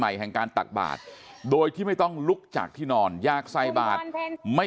แห่งการตักบาทโดยที่ไม่ต้องลุกจากที่นอนอยากใส่บาทไม่